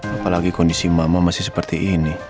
apalagi kondisi mama masih seperti ini